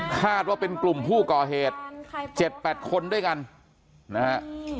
คาดว่าเป็นกลุ่มผู้ก่อเหตุ๗๘คนด้วยกันนะฮะ